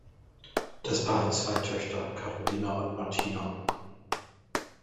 Das Paar hat zwei Töchter: Carolina und Martina.